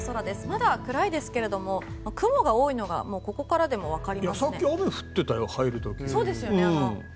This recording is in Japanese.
まだ暗いですけれども雲が多いのがここからでもわかりますね。